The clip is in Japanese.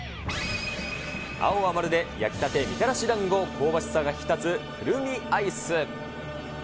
青はまるで焼きたてみたらしだんご、香ばしさが引き立つくるみアイス。